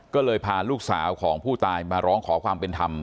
ก็เลยพาลูกสาวของผู้ตายมาร้องขอความเป็นธรรม